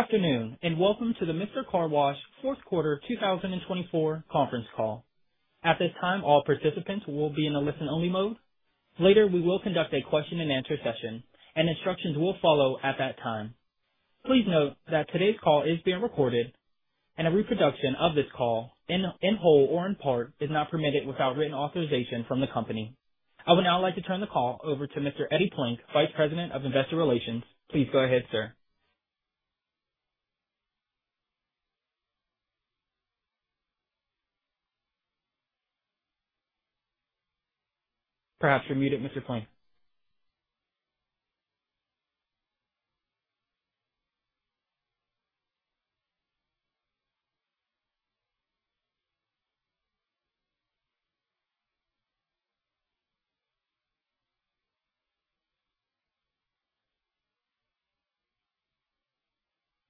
Good afternoon and welcome to the Mister Car Wash Fourth Quarter 2024 conference call. At this time, all participants will be in a listen-only mode. Later, we will conduct a question-and-answer session, and instructions will follow at that time. Please note that today's call is being recorded, and a reproduction of this call in whole or in part is not permitted without written authorization from the company. I would now like to turn the call over to Mr. Eddie Plank, Vice President of Investor Relations. Please go ahead, sir. Perhaps you're muted, Mr. Plank.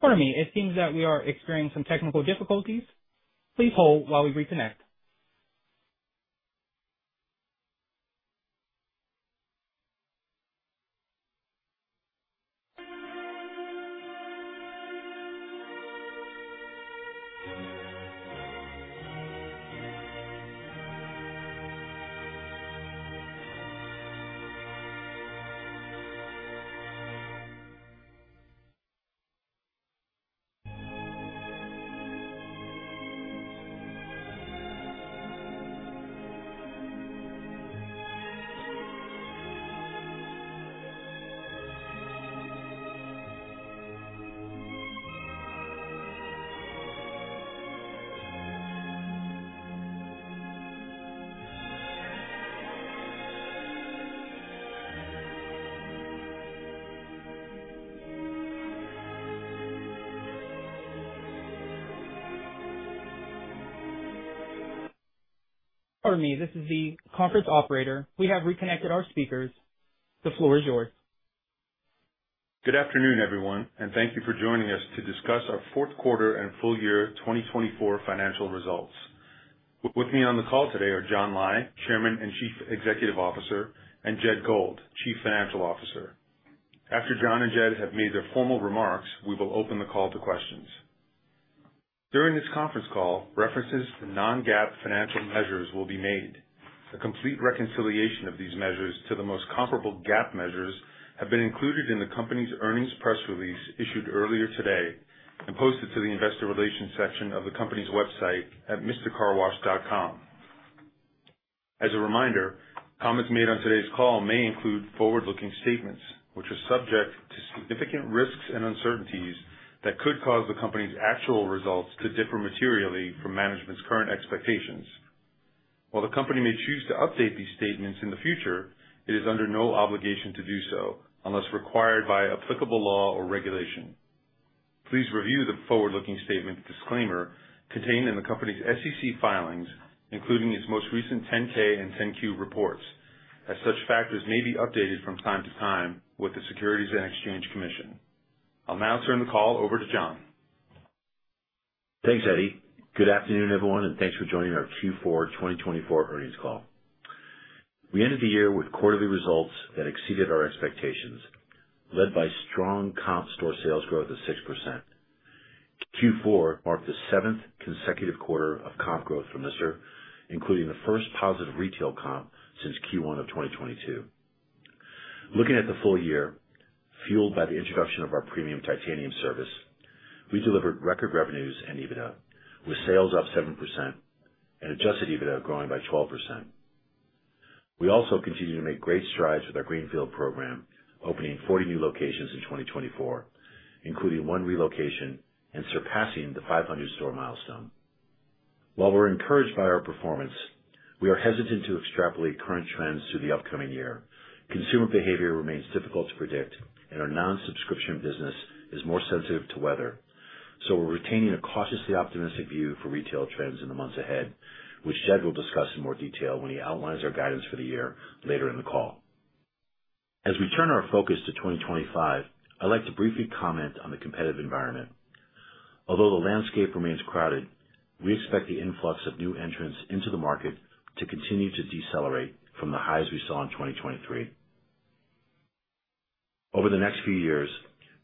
Pardon me. It seems that we are experiencing some technical difficulties. Please hold while we reconnect. Pardon me. This is the conference operator. We have reconnected our speakers. The floor is yours. Good afternoon, everyone, and thank you for joining us to discuss our fourth quarter and full year 2024 financial results. With me on the call today are John Lai, Chairman and Chief Executive Officer, and Jed Gold, Chief Financial Officer. After John and Jed have made their formal remarks, we will open the call to questions. During this conference call, references to non-GAAP financial measures will be made. A complete reconciliation of these measures to the most comparable GAAP measures have been included in the company's earnings press release issued earlier today and posted to the Investor Relations section of the company's website at mistercarwash.com. As a reminder, comments made on today's call may include forward-looking statements, which are subject to significant risks and uncertainties that could cause the company's actual results to differ materially from management's current expectations. While the company may choose to update these statements in the future, it is under no obligation to do so unless required by applicable law or regulation. Please review the forward-looking statement disclaimer contained in the company's SEC filings, including its most recent 10-K and 10-Q reports, as such factors may be updated from time to time with the Securities and Exchange Commission. I'll now turn the call over to John. Thanks, Eddie. Good afternoon, everyone, and thanks for joining our Q4 2024 earnings call. We ended the year with quarterly results that exceeded our expectations, led by strong comp store sales growth of 6%. Q4 marked the seventh consecutive quarter of comp growth for Mister, including the first positive retail comp since Q1 of 2022. Looking at the full year, fueled by the introduction of our premium Titanium service, we delivered record revenues and EBITDA, with sales up 7% and adjusted EBITDA growing by 12%. We also continue to make great strides with our greenfield program, opening 40 new locations in 2024, including one relocation and surpassing the 500-store milestone. While we're encouraged by our performance, we are hesitant to extrapolate current trends through the upcoming year. Consumer behavior remains difficult to predict, and our non-subscription business is more sensitive to weather, so we're retaining a cautiously optimistic view for retail trends in the months ahead, which Jed will discuss in more detail when he outlines our guidance for the year later in the call. As we turn our focus to 2025, I'd like to briefly comment on the competitive environment. Although the landscape remains crowded, we expect the influx of new entrants into the market to continue to decelerate from the highs we saw in 2023. Over the next few years,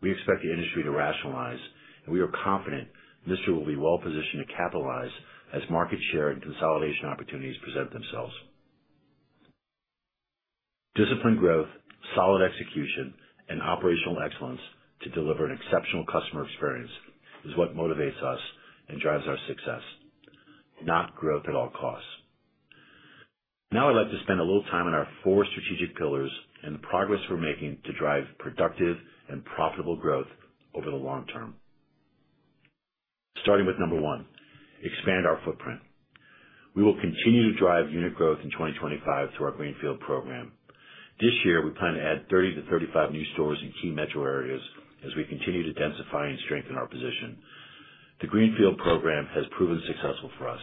we expect the industry to rationalize, and we are confident Mister will be well positioned to capitalize as market share and consolidation opportunities present themselves. Disciplined growth, solid execution, and operational excellence to deliver an exceptional customer experience is what motivates us and drives our success, not growth at all costs. Now, I'd like to spend a little time on our four strategic pillars and the progress we're making to drive productive and profitable growth over the long term. Starting with number one, expand our footprint. We will continue to drive unit growth in 2025 through our greenfield program. This year, we plan to add 30-35 new stores in key metro areas as we continue to densify and strengthen our position. The greenfield program has proven successful for us.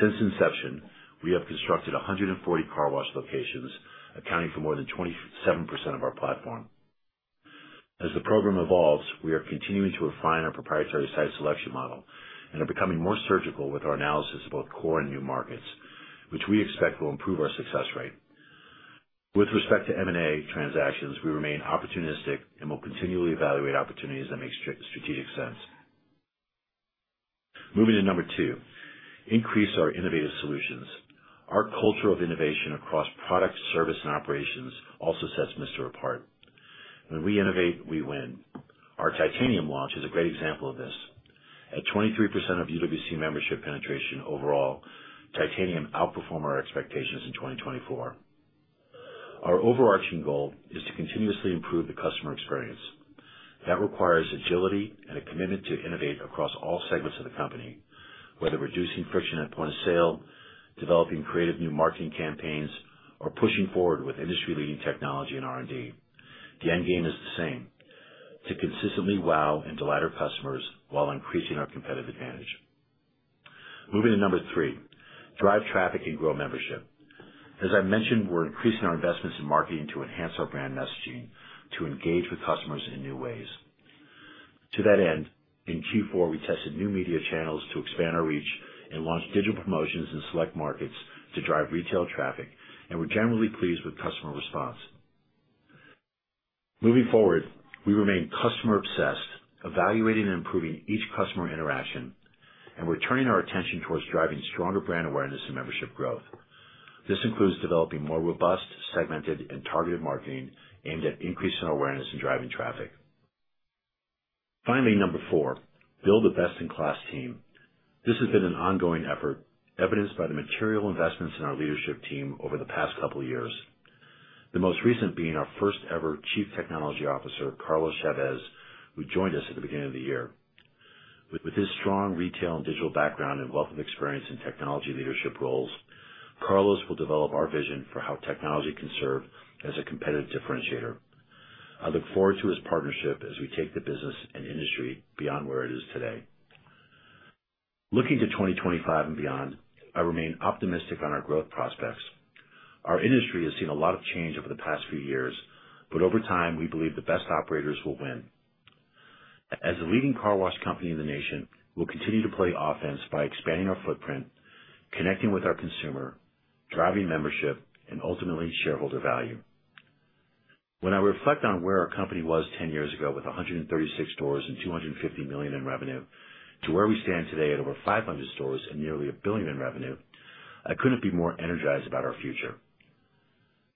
Since inception, we have constructed 140 car wash locations, accounting for more than 27% of our platform. As the program evolves, we are continuing to refine our proprietary site selection model and are becoming more surgical with our analysis of both core and new markets, which we expect will improve our success rate. With respect to M&A transactions, we remain opportunistic and will continually evaluate opportunities that make strategic sense. Moving to number two, increase our innovative solutions. Our culture of innovation across product, service, and operations also sets Mister apart. When we innovate, we win. Our Titanium launch is a great example of this. At 23% of UWC membership penetration overall, Titanium outperformed our expectations in 2024. Our overarching goal is to continuously improve the customer experience. That requires agility and a commitment to innovate across all segments of the company, whether reducing friction at point of sale, developing creative new marketing campaigns, or pushing forward with industry-leading technology and R&D. The end game is the same: to consistently wow and delight our customers while increasing our competitive advantage. Moving to number three, drive traffic and grow membership. As I mentioned, we're increasing our investments in marketing to enhance our brand messaging, to engage with customers in new ways. To that end, in Q4, we tested new media channels to expand our reach and launched digital promotions in select markets to drive retail traffic, and we're generally pleased with customer response. Moving forward, we remain customer-obsessed, evaluating and improving each customer interaction, and we're turning our attention towards driving stronger brand awareness and membership growth. This includes developing more robust, segmented, and targeted marketing aimed at increasing awareness and driving traffic. Finally, number four, build a best-in-class team. This has been an ongoing effort, evidenced by the material investments in our leadership team over the past couple of years, the most recent being our first-ever Chief Technology Officer, Carlos Chavez, who joined us at the beginning of the year. With his strong retail and digital background and wealth of experience in technology leadership roles, Carlos will develop our vision for how technology can serve as a competitive differentiator. I look forward to his partnership as we take the business and industry beyond where it is today. Looking to 2025 and beyond, I remain optimistic on our growth prospects. Our industry has seen a lot of change over the past few years, but over time, we believe the best operators will win. As the leading car wash company in the nation, we'll continue to play offense by expanding our footprint, connecting with our consumer, driving membership, and ultimately shareholder value. When I reflect on where our company was 10 years ago with 136 stores and $250 million in revenue to where we stand today at over 500 stores and nearly $1 billion in revenue, I couldn't be more energized about our future.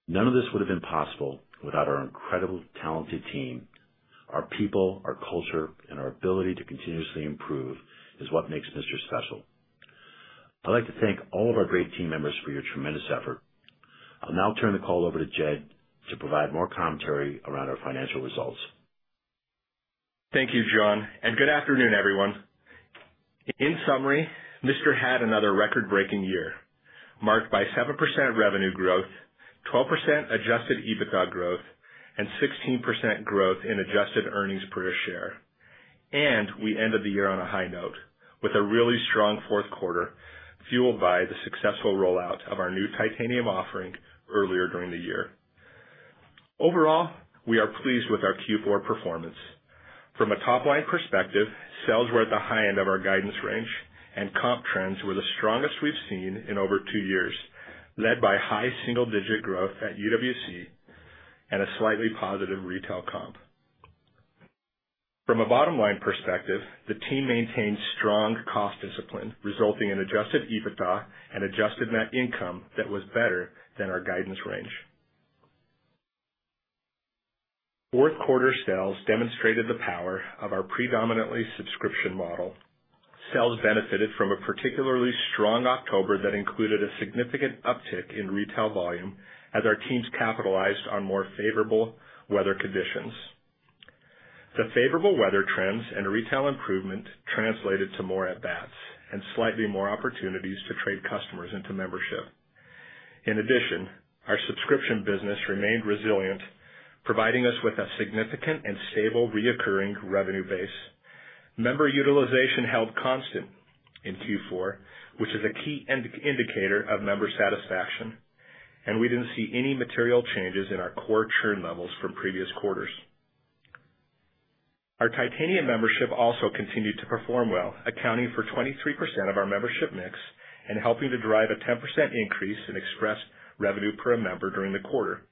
None of this would have been possible without our incredible, talented team. Our people, our culture, and our ability to continuously improve is what makes Mister special. I'd like to thank all of our great team members for your tremendous effort. I'll now turn the call over to Jed to provide more commentary around our financial results. Thank you, John, and good afternoon, everyone. In summary, Mister had another record-breaking year marked by 7% revenue growth, 12% Adjusted EBITDA growth, and 16% growth in Adjusted Earnings Per Share. And we ended the year on a high note with a really strong fourth quarter fueled by the successful rollout of our new Titanium offering earlier during the year. Overall, we are pleased with our Q4 performance. From a top-line perspective, sales were at the high end of our guidance range, and comp trends were the strongest we've seen in over two years, led by high single-digit growth at UWC and a slightly positive retail comp. From a bottom-line perspective, the team maintained strong cost discipline, resulting in Adjusted EBITDA and adjusted net income that was better than our guidance range. Fourth-quarter sales demonstrated the power of our predominantly subscription model. Sales benefited from a particularly strong October that included a significant uptick in retail volume as our teams capitalized on more favorable weather conditions. The favorable weather trends and retail improvement translated to more at-bats and slightly more opportunities to trade customers into membership. In addition, our subscription business remained resilient, providing us with a significant and stable recurring revenue base. Member utilization held constant in Q4, which is a key indicator of member satisfaction, and we didn't see any material changes in our core churn levels from previous quarters. Our Titanium membership also continued to perform well, accounting for 23% of our membership mix and helping to drive a 10% increase in Express revenue per member during the quarter.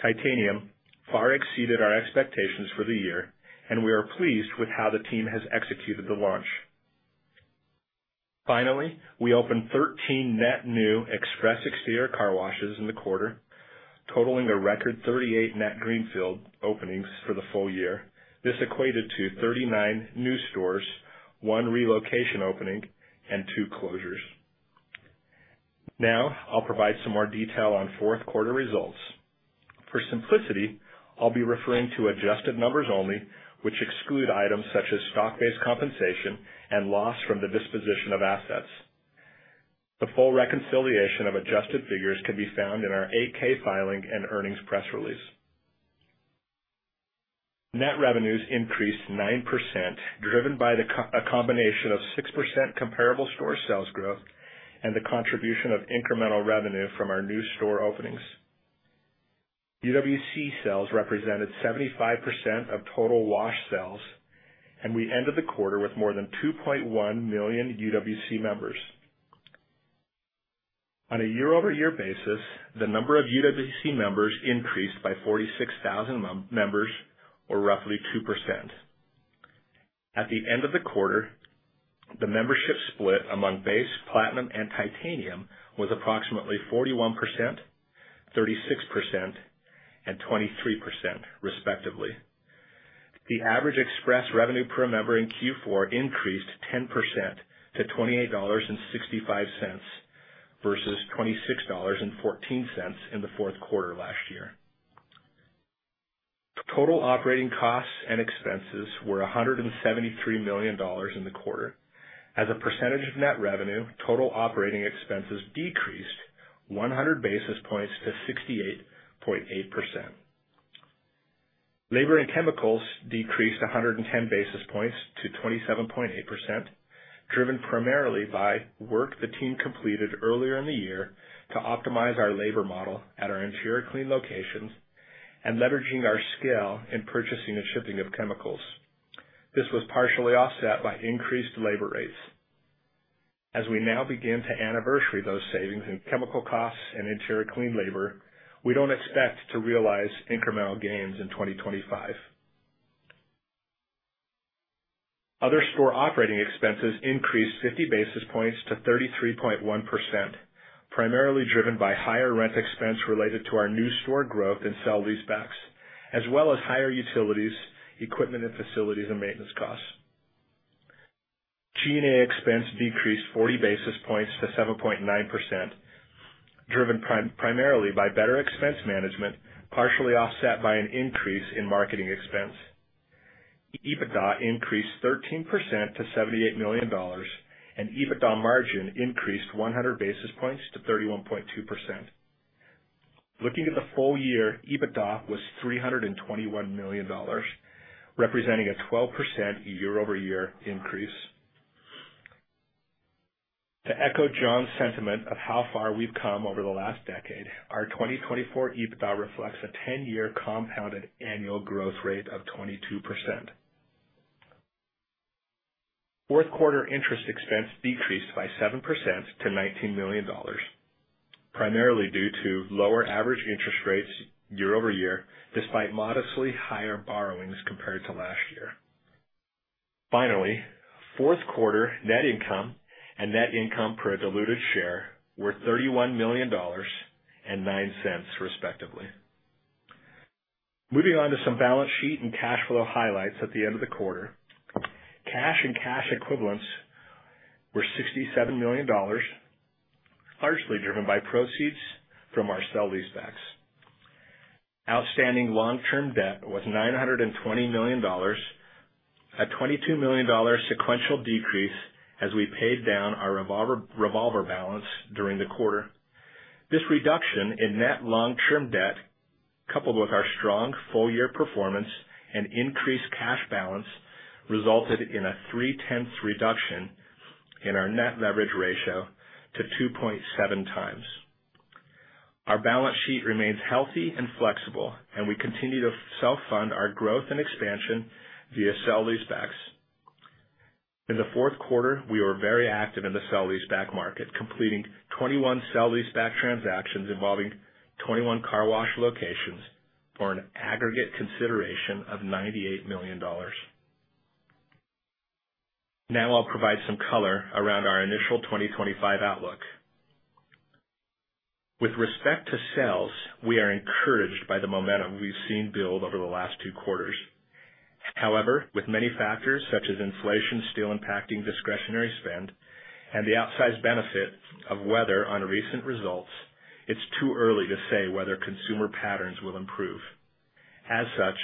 Titanium far exceeded our expectations for the year, and we are pleased with how the team has executed the launch. Finally, we opened 13 net new Express Exterior car washes in the quarter, totaling a record 38 net greenfield openings for the full year. This equated to 39 new stores, one relocation opening, and two closures. Now, I'll provide some more detail on fourth-quarter results. For simplicity, I'll be referring to adjusted numbers only, which exclude items such as stock-based compensation and loss from the disposition of assets. The full reconciliation of adjusted figures can be found in our 8-K filing and earnings press release. Net revenues increased 9%, driven by a combination of 6% comparable store sales growth and the contribution of incremental revenue from our new store openings. UWC sales represented 75% of total wash sales, and we ended the quarter with more than 2.1 million UWC members. On a year-over-year basis, the number of UWC members increased by 46,000 members, or roughly 2%. At the end of the quarter, the membership split among base, Platinum, and Titanium was approximately 41%, 36%, and 23%, respectively. The average express revenue per member in Q4 increased 10% to $28.65 versus $26.14 in the fourth quarter last year. Total operating costs and expenses were $173 million in the quarter. As a percentage of net revenue, total operating expenses decreased 100 basis points to 68.8%. Labor and chemicals decreased 110 basis points to 27.8%, driven primarily by work the team completed earlier in the year to optimize our labor model at our interior clean locations and leveraging our scale in purchasing and shipping of chemicals. This was partially offset by increased labor rates. As we now begin to anniversary those savings in chemical costs and interior clean labor, we don't expect to realize incremental gains in 2025. Other store operating expenses increased 50 basis points to 33.1%, primarily driven by higher rent expense related to our new store growth and sale-leasebacks, as well as higher utilities, equipment, and facilities and maintenance costs. G&A expense decreased 40 basis points to 7.9%, driven primarily by better expense management, partially offset by an increase in marketing expense. EBITDA increased 13% to $78 million, and EBITDA margin increased 100 basis points to 31.2%. Looking at the full year, EBITDA was $321 million, representing a 12% year-over-year increase. To echo John's sentiment of how far we've come over the last decade, our 2024 EBITDA reflects a 10-year compounded annual growth rate of 22%. Fourth-quarter interest expense decreased by 7% to $19 million, primarily due to lower average interest rates year-over-year, despite modestly higher borrowings compared to last year. Finally, fourth-quarter net income and net income per diluted share were $31 million and $0.09, respectively. Moving on to some balance sheet and cash flow highlights at the end of the quarter. Cash and cash equivalents were $67 million, largely driven by proceeds from our sale-leasebacks. Outstanding long-term debt was $920 million, a $22 million sequential decrease as we paid down our revolver balance during the quarter. This reduction in net long-term debt, coupled with our strong full-year performance and increased cash balance, resulted in a 3/10 reduction in our net leverage ratio to 2.7 times. Our balance sheet remains healthy and flexible, and we continue to self-fund our growth and expansion via sale-leasebacks. In the fourth quarter, we were very active in the sale-leaseback market, completing 21 sale-leaseback transactions involving 21 car wash locations for an aggregate consideration of $98 million. Now, I'll provide some color around our initial 2025 outlook. With respect to sales, we are encouraged by the momentum we've seen build over the last two quarters. However, with many factors such as inflation still impacting discretionary spend and the outsized benefit of weather on recent results, it's too early to say whether consumer patterns will improve. As such,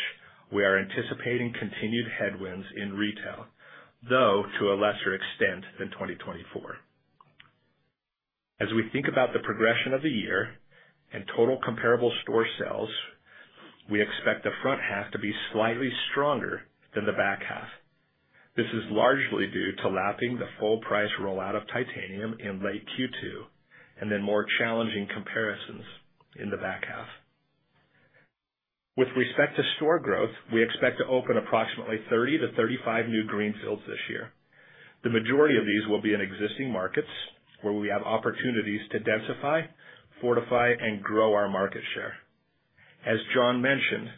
we are anticipating continued headwinds in retail, though to a lesser extent than 2024. As we think about the progression of the year and total comparable store sales, we expect the front half to be slightly stronger than the back half. This is largely due to lapping the full-price rollout of titanium in late Q2 and then more challenging comparisons in the back half. With respect to store growth, we expect to open approximately 30-35 new Greenfields this year. The majority of these will be in existing markets where we have opportunities to densify, fortify, and grow our market share. As John mentioned,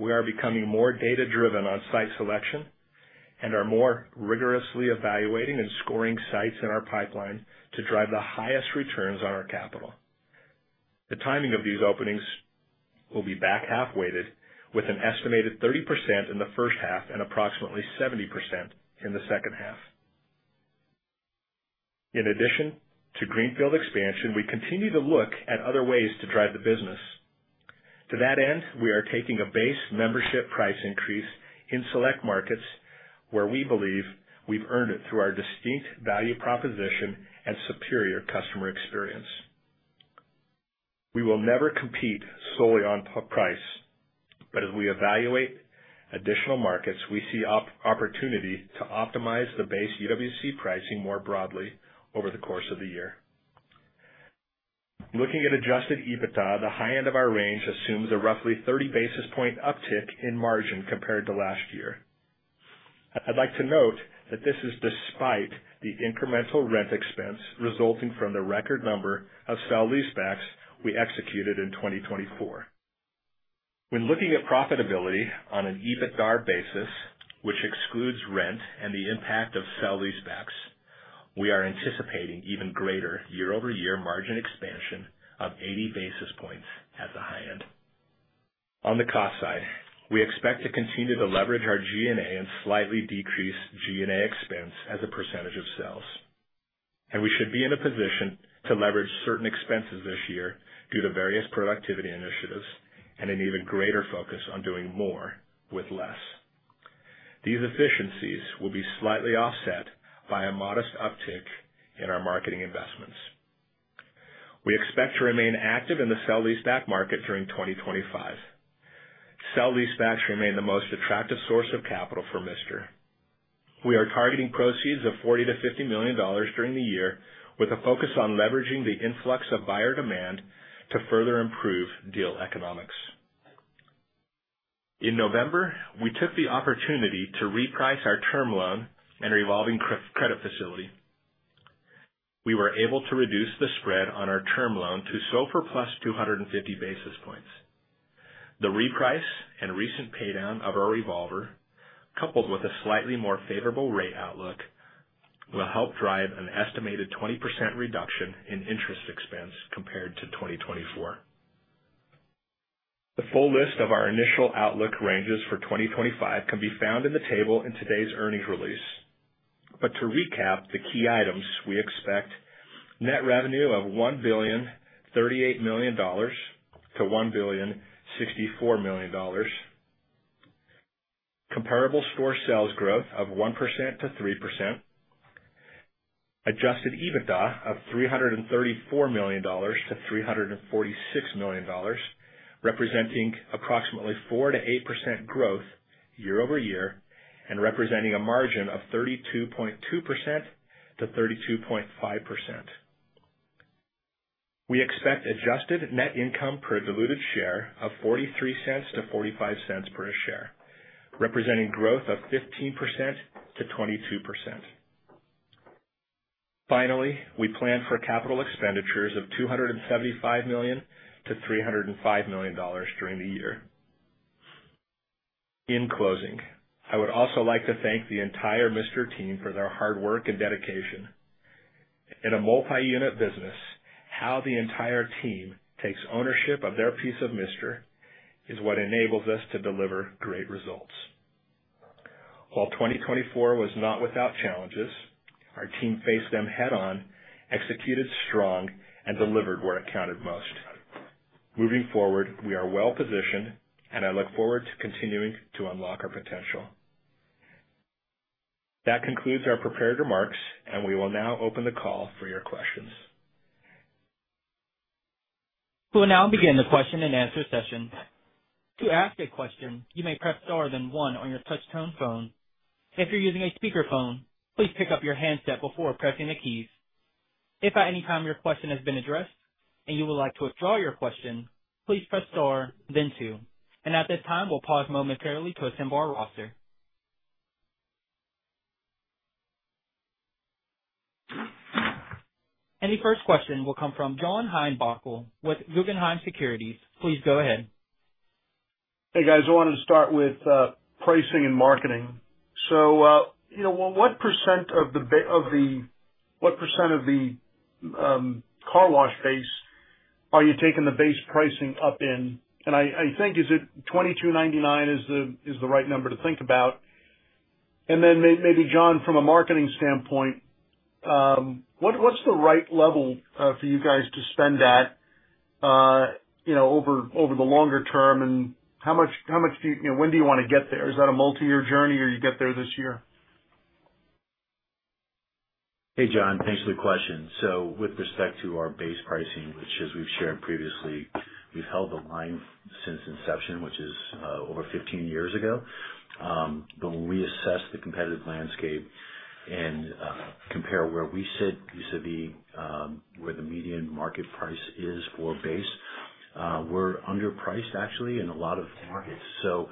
we are becoming more data-driven on site selection and are more rigorously evaluating and scoring sites in our pipeline to drive the highest returns on our capital. The timing of these openings will be back half-weighted with an estimated 30% in the first half and approximately 70% in the second half. In addition to Greenfield expansion, we continue to look at other ways to drive the business. To that end, we are taking a Base membership price increase in select markets where we believe we've earned it through our distinct value proposition and superior customer experience. We will never compete solely on price, but as we evaluate additional markets, we see opportunity to optimize the Base UWC pricing more broadly over the course of the year. Looking at Adjusted EBITDA, the high end of our range assumes a roughly 30 basis point uptick in margin compared to last year. I'd like to note that this is despite the incremental rent expense resulting from the record number of sale-leasebacks we executed in 2024. When looking at profitability on an EBITDA basis, which excludes rent and the impact of sale-leasebacks, we are anticipating even greater year-over-year margin expansion of 80 basis points at the high end. On the cost side, we expect to continue to leverage our G&A and slightly decrease G&A expense as a percentage of sales, and we should be in a position to leverage certain expenses this year due to various productivity initiatives and an even greater focus on doing more with less. These efficiencies will be slightly offset by a modest uptick in our marketing investments. We expect to remain active in the sale-leaseback market during 2025. Sale-leasebacks remain the most attractive source of capital for Mister. We are targeting proceeds of $40-$50 million during the year with a focus on leveraging the influx of buyer demand to further improve deal economics. In November, we took the opportunity to reprice our term loan and revolving credit facility. We were able to reduce the spread on our term loan to SOFR plus 250 basis points. The reprice and recent paydown of our revolver, coupled with a slightly more favorable rate outlook, will help drive an estimated 20% reduction in interest expense compared to 2024. The full list of our initial outlook ranges for 2025 can be found in the table in today's earnings release. But to recap the key items, we expect net revenue of $1,038-$1,064 million, comparable store sales growth of 1%-3%, adjusted EBITDA of $334-$346 million, representing approximately 4%-8% growth year-over-year and representing a margin of 32.2%-32.5%. We expect adjusted net income per diluted share of $0.43-$0.45 per share, representing growth of 15%-22%. Finally, we plan for capital expenditures of $275-$305 million during the year. In closing, I would also like to thank the entire Mister team for their hard work and dedication. In a multi-unit business, how the entire team takes ownership of their piece of Mister is what enables us to deliver great results. While 2024 was not without challenges, our team faced them head-on, executed strong, and delivered where it counted most. Moving forward, we are well-positioned, and I look forward to continuing to unlock our potential. That concludes our prepared remarks, and we will now open the call for your questions. We'll now begin the question and answer session. To ask a question, you may press star then one on your touch-tone phone. If you're using a speakerphone, please pick up your handset before pressing the keys. If at any time your question has been addressed and you would like to withdraw your question, please press star then two. And at this time, we'll pause momentarily to assemble our roster. And the first question will come from John Heinbockel with Guggenheim Securities. Please go ahead. Hey, guys. I wanted to start with pricing and marketing. So what percent of the car wash base are you taking the base pricing up in? And I think, is it $22.99 the right number to think about? And then maybe John, from a marketing standpoint, what's the right level for you guys to spend at over the longer term, and how do you want to get there? Is that a multi-year journey, or do you get there this year? Hey, John. Thanks for the question. So with respect to our base pricing, which, as we've shared previously, we've held the line since inception, which is over 15 years ago, but when we assess the competitive landscape and compare where we sit, vis-à-vis where the median market price is for base, we're underpriced, actually, in a lot of markets, so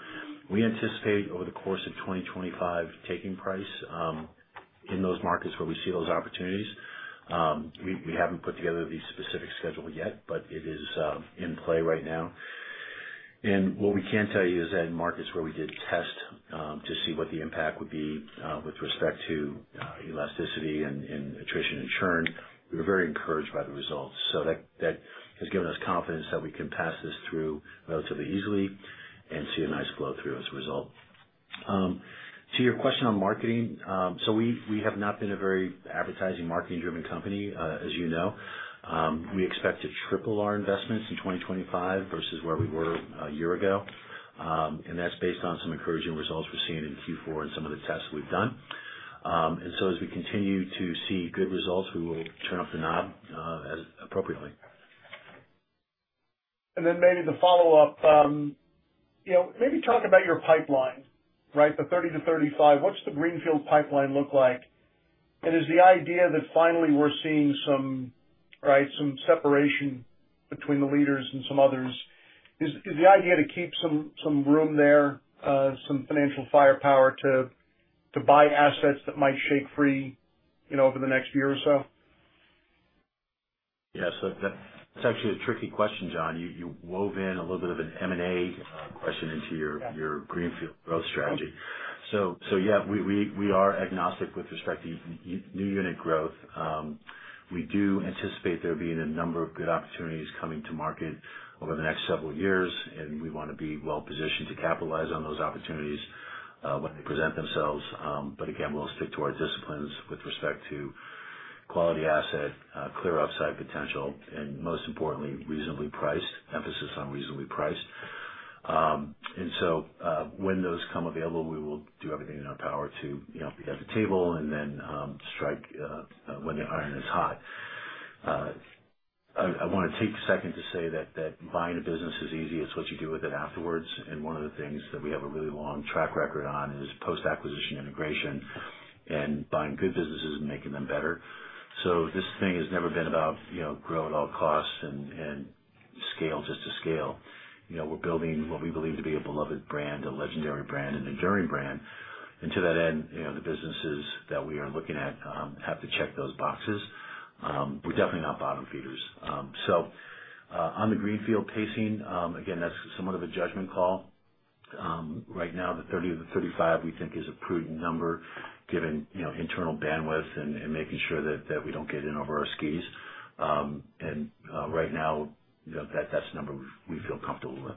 we anticipate over the course of 2025 taking price in those markets where we see those opportunities. We haven't put together the specific schedule yet, but it is in play right now, and what we can tell you is that in markets where we did test to see what the impact would be with respect to elasticity and attrition and churn, we were very encouraged by the results. So that has given us confidence that we can pass this through relatively easily and see a nice flow through as a result. To your question on marketing, so we have not been a very advertising marketing-driven company, as you know. We expect to triple our investments in 2025 versus where we were a year ago. And that's based on some encouraging results we're seeing in Q4 and some of the tests we've done. And so as we continue to see good results, we will turn up the knob appropriately. And then maybe the follow-up, maybe talk about your pipeline, right? The 30-35, what's the Greenfield pipeline look like? And is the idea that finally we're seeing some separation between the leaders and some others? Is the idea to keep some room there, some financial firepower to buy assets that might shake free over the next year or so? Yeah. So that's actually a tricky question, John. You wove in a little bit of an M&A question into your greenfield growth strategy. So yeah, we are agnostic with respect to new unit growth. We do anticipate there being a number of good opportunities coming to market over the next several years, and we want to be well-positioned to capitalize on those opportunities when they present themselves. But again, we'll stick to our disciplines with respect to quality asset, clear upside potential, and most importantly, reasonably priced, emphasis on reasonably priced. And so when those come available, we will do everything in our power to be at the table and then strike when the iron is hot. I want to take a second to say that buying a business is easy. It's what you do with it afterwards. One of the things that we have a really long track record on is post-acquisition integration and buying good businesses and making them better. So this thing has never been about grow at all costs and scale just to scale. We're building what we believe to be a beloved brand, a legendary brand, and enduring brand. And to that end, the businesses that we are looking at have to check those boxes. We're definitely not bottom feeders. So on the Greenfield pacing, again, that's somewhat of a judgment call. Right now, the 30-35 we think is a prudent number given internal bandwidth and making sure that we don't get in over our skis. And right now, that's the number we feel comfortable with.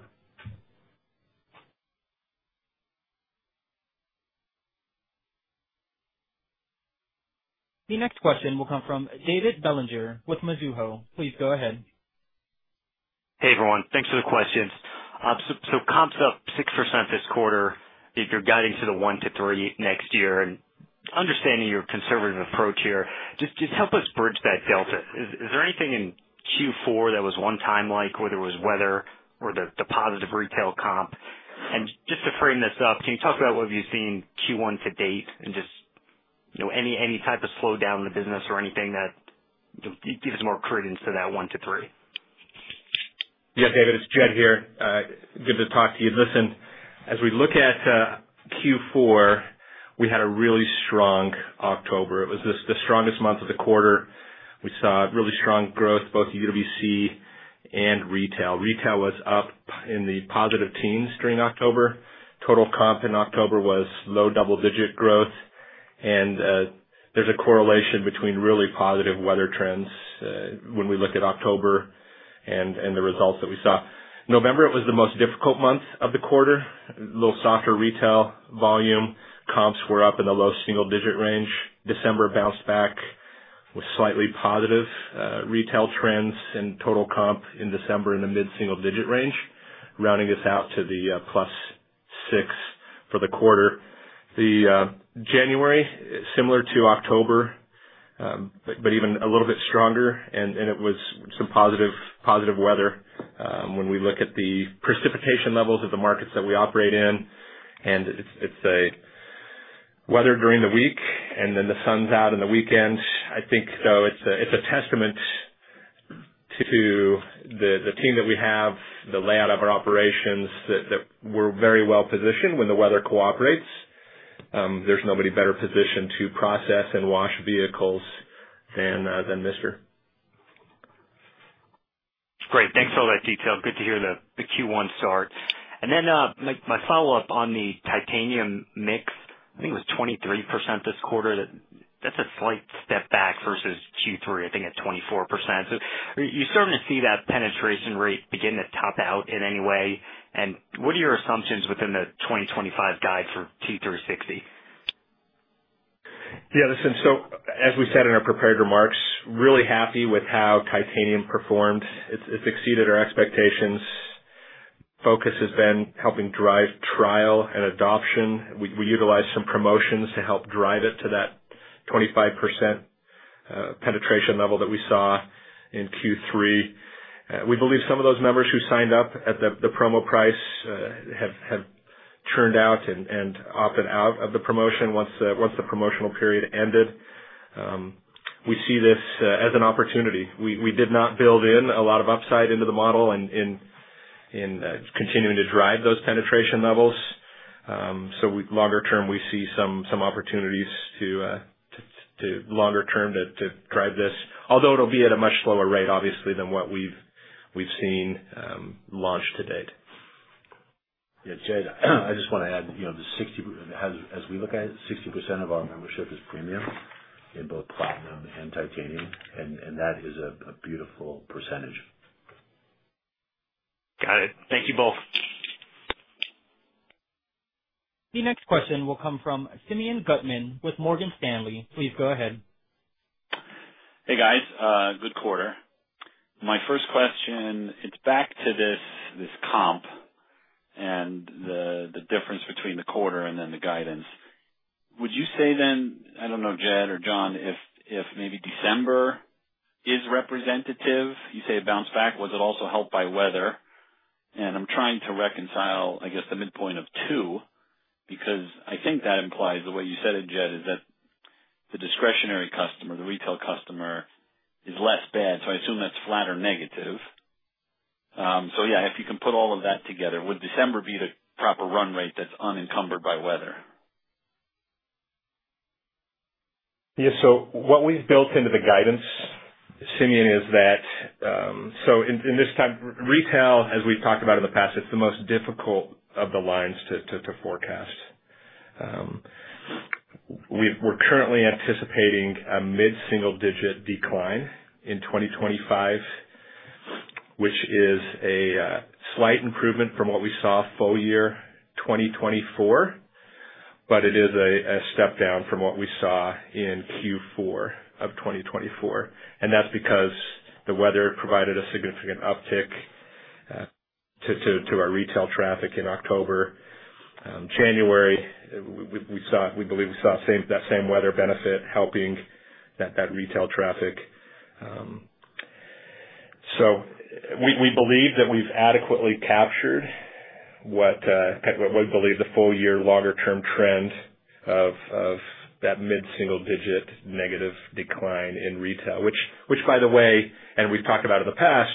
The next question will come from David Bellinger with Mizuho. Please go ahead. Hey, everyone. Thanks for the questions. So comps up 6% this quarter. If you're guiding to the 1%-3% next year and understanding your conservative approach here, just help us bridge that delta. Is there anything in Q4 that was one-time-like, whether it was weather or the positive retail comp? And just to frame this up, can you talk about what have you seen Q1 to date and just any type of slowdown in the business or anything that gives more credence to that 1%-3%? Yeah, David, it's Jed here. Good to talk to you. Listen, as we look at Q4, we had a really strong October. It was the strongest month of the quarter. We saw really strong growth, both UWC and retail. Retail was up in the positive teens during October. Total comp in October was low double-digit growth. And there's a correlation between really positive weather trends when we look at October and the results that we saw. November, it was the most difficult month of the quarter. A little softer retail volume. Comps were up in the low single-digit range. December bounced back with slightly positive retail trends and total comp in December in the mid-single-digit range, rounding this out to the plus 6 for the quarter. January, similar to October, but even a little bit stronger. It was some positive weather when we look at the precipitation levels of the markets that we operate in. It's weather during the week, and then the sun's out on the weekends. I think, though, it's a testament to the team that we have, the layout of our operations, that we're very well-positioned when the weather cooperates. There's nobody better positioned to process and wash vehicles than Mister. Great. Thanks for all that detail. Good to hear the Q1 start, and then my follow-up on the titanium mix. I think it was 23% this quarter. That's a slight step back versus Q3, I think, at 24%. You're starting to see that penetration rate begin to top out in any way, and what are your assumptions within the 2025 guide for T360? Yeah. Listen, so as we said in our prepared remarks, really happy with how Titanium performed. It's exceeded our expectations. Focus has been helping drive trial and adoption. We utilized some promotions to help drive it to that 25% penetration level that we saw in Q3. We believe some of those members who signed up at the promo price have churned out and opted out of the promotion once the promotional period ended. We see this as an opportunity. We did not build in a lot of upside into the model in continuing to drive those penetration levels. So longer term, we see some opportunities to longer term to drive this, although it'll be at a much slower rate, obviously, than what we've seen launch to date. Yeah. Jed, I just want to add, as we look at it, 60% of our membership is premium in both Platinum and Titanium. And that is a beautiful percentage. Got it. Thank you both. The next question will come from Simeon Gutman with Morgan Stanley. Please go ahead. Hey, guys. Good quarter. My first question, it's back to this comp and the difference between the quarter and then the guidance. Would you say then, I don't know, Jed or John, if maybe December is representative? You say it bounced back. Was it also helped by weather? And I'm trying to reconcile, I guess, the midpoint of two because I think that implies the way you said it, Jed, is that the discretionary customer, the retail customer, is less bad. So I assume that's flat or negative. So yeah, if you can put all of that together, would December be the proper run rate that's unencumbered by weather? Yeah. So what we've built into the guidance, Simeon, is that so in this time, retail, as we've talked about in the past, it's the most difficult of the lines to forecast. We're currently anticipating a mid-single-digit decline in 2025, which is a slight improvement from what we saw full year 2024, but it is a step down from what we saw in Q4 of 2024. And that's because the weather provided a significant uptick to our retail traffic in October. January, we believe we saw that same weather benefit helping that retail traffic. So we believe that we've adequately captured what we believe the full-year longer-term trend of that mid-single-digit negative decline in retail, which, by the way, and we've talked about in the past,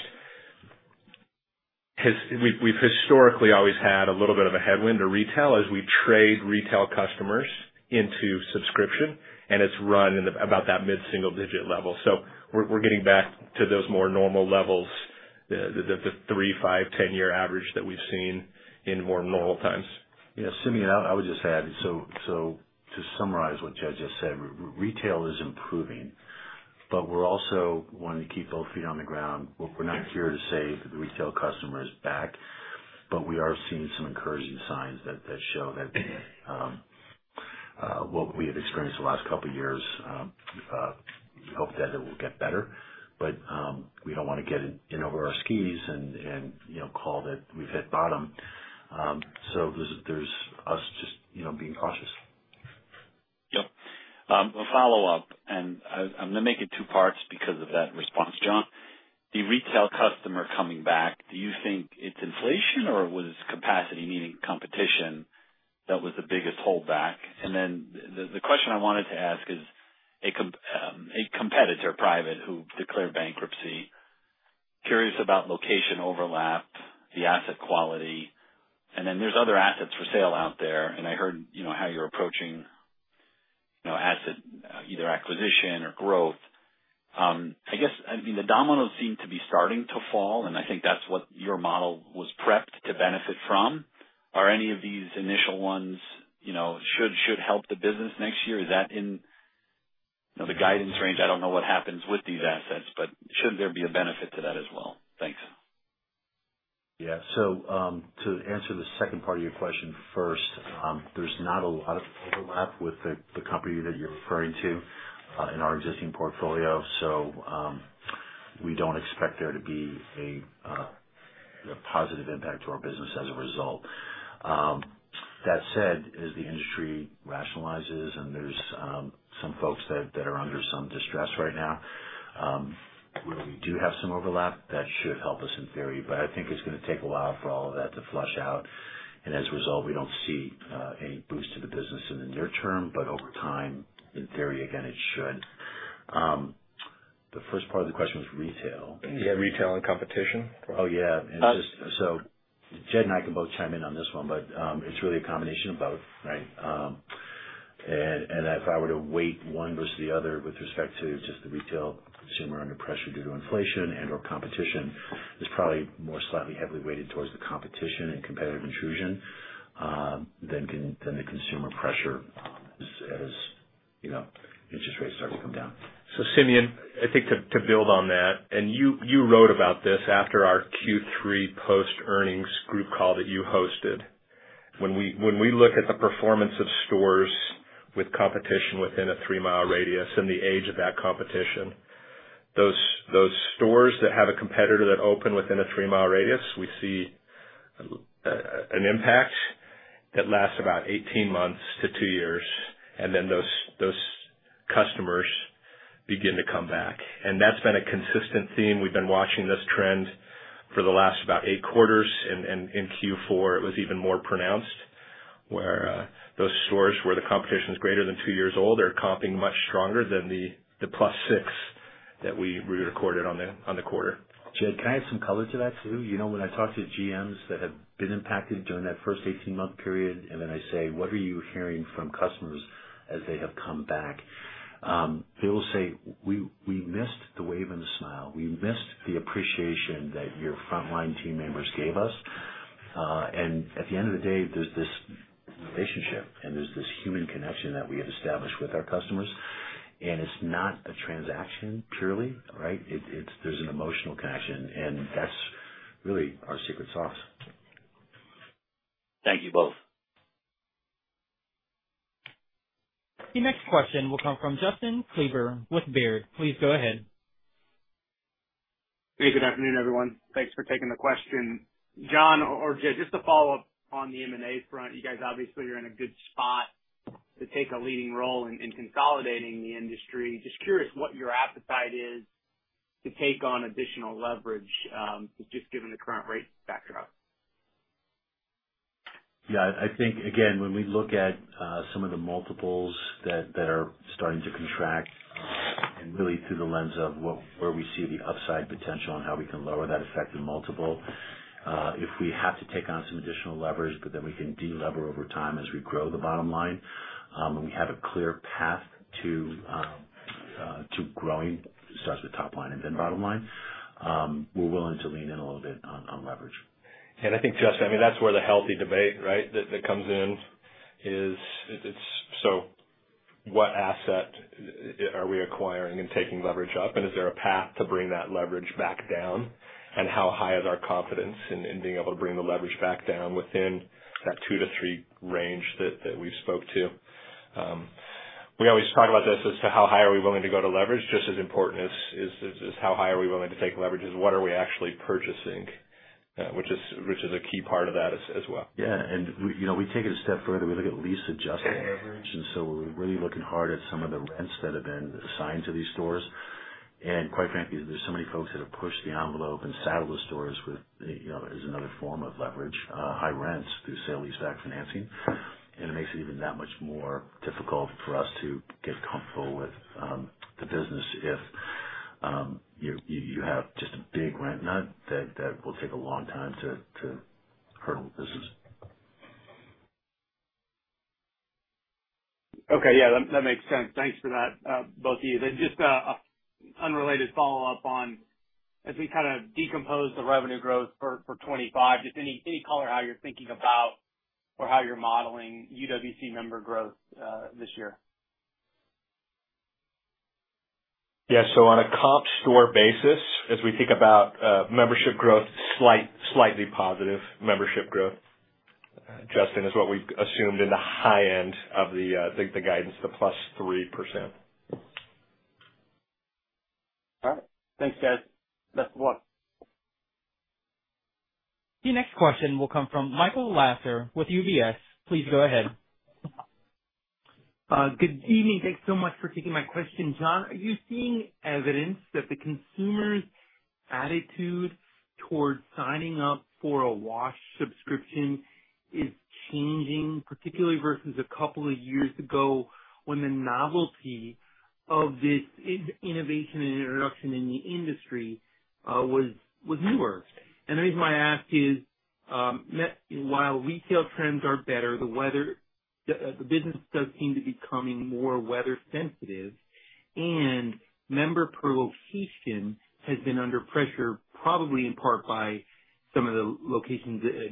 we've historically always had a little bit of a headwind to retail as we trade retail customers into subscription, and it's run about that mid-single-digit level. So we're getting back to those more normal levels, the three-, five-, 10-year average that we've seen in more normal times. Yeah. Simeon, I would just add, so to summarize what Jed just said, retail is improving, but we're also wanting to keep both feet on the ground. We're not here to say the retail customer is back, but we are seeing some encouraging signs that show that what we have experienced the last couple of years. Hope that it will get better. But we don't want to get in over our skis and call that we've hit bottom. So there's us just being cautious. Yep. A follow-up. And I'm going to make it two parts because of that response, John. The retail customer coming back, do you think it's inflation or was capacity, meaning competition, that was the biggest holdback? And then the question I wanted to ask is a competitor, private, who declared bankruptcy, curious about location overlap, the asset quality. And then there's other assets for sale out there. And I heard how you're approaching asset, either acquisition or growth. I guess, I mean, the dominoes seem to be starting to fall, and I think that's what your model was prepped to benefit from. Are any of these initial ones should help the business next year? Is that in the guidance range? I don't know what happens with these assets, but shouldn't there be a benefit to that as well? Thanks. Yeah. So to answer the second part of your question first, there's not a lot of overlap with the company that you're referring to in our existing portfolio. So we don't expect there to be a positive impact to our business as a result. That said, as the industry rationalizes and there's some folks that are under some distress right now, where we do have some overlap, that should help us in theory. But I think it's going to take a while for all of that to flush out, and as a result, we don't see any boost to the business in the near term, but over time, in theory, again, it should. The first part of the question was retail. Yeah. Retail and competition. Oh, yeah. And so Jed and I can both chime in on this one, but it's really a combination of both, right? And if I were to weigh one versus the other with respect to just the retail consumer under pressure due to inflation and/or competition, it's probably more slightly heavily weighted towards the competition and competitive intrusion than the consumer pressure as interest rates start to come down. Simeon, I think to build on that, and you wrote about this after our Q3 post-earnings group call that you hosted. When we look at the performance of stores with competition within a three-mile radius and the age of that competition, those stores that have a competitor that open within a three-mile radius, we see an impact that lasts about 18 months to two years, and then those customers begin to come back. And that's been a consistent theme. We've been watching this trend for the last about eight quarters. In Q4, it was even more pronounced where those stores where the competition is greater than two years old are comping much stronger than the plus 6 that we recorded on the quarter. Jed, can I add some color to that too? When I talk to GMs that have been impacted during that first 18-month period, and then I say, "What are you hearing from customers as they have come back?" They will say, "We missed the wave and the smile. We missed the appreciation that your frontline team members gave us." And at the end of the day, there's this relationship and there's this human connection that we have established with our customers. And it's not a transaction purely, right? There's an emotional connection, and that's really our secret sauce. Thank you both. The next question will come from Justin Kleber with Baird. Please go ahead. Hey, good afternoon, everyone. Thanks for taking the question. John or Jed, just to follow up on the M&A front, you guys obviously are in a good spot to take a leading role in consolidating the industry. Just curious what your appetite is to take on additional leverage just given the current rate backdrop. Yeah. I think, again, when we look at some of the multiples that are starting to contract and really through the lens of where we see the upside potential and how we can lower that effective multiple, if we have to take on some additional leverage, but then we can de-lever over time as we grow the bottom line. When we have a clear path to growing, starts with top line and then bottom line, we're willing to lean in a little bit on leverage. Yeah. And I think, Justin, I mean, that's where the healthy debate, right, that comes in is, so what asset are we acquiring and taking leverage up? And is there a path to bring that leverage back down? And how high is our confidence in being able to bring the leverage back down within that two to three range that we've spoke to? We always talk about this as to how high are we willing to go to leverage? Just as important as how high are we willing to take leverage is what are we actually purchasing, which is a key part of that as well. Yeah. And we take it a step further. We look at lease adjusted leverage. And so we're really looking hard at some of the rents that have been assigned to these stores. And quite frankly, there's so many folks that have pushed the envelope and saddled the stores with, as another form of leverage, high rents through sale-leaseback financing. And it makes it even that much more difficult for us to get comfortable with the business if you have just a big rent nut that will take a long time to hurdle the business. Okay. Yeah. That makes sense. Thanks for that, both of you. Then just an unrelated follow-up on, as we kind of decompose the revenue growth for 2025, just any color how you're thinking about or how you're modeling UWC member growth this year? Yeah. So on a comp store basis, as we think about membership growth, slightly positive membership growth, Justin, is what we've assumed in the high end of the guidance, the plus 3%. All right. Thanks, Jed. Best of luck. The next question will come from Michael Lasser with UBS. Please go ahead. Good evening. Thanks so much for taking my question, John. Are you seeing evidence that the consumer's attitude towards signing up for a wash subscription is changing, particularly versus a couple of years ago when the novelty of this innovation and introduction in the industry was newer? And the reason why I ask is, while retail trends are better, the business does seem to be becoming more weather-sensitive. And member per location has been under pressure, probably in part by some of the